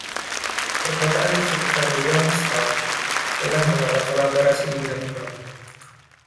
Perkotaan di sekitar Youngstown telah menolak kolaborasi di bidang ekonomi.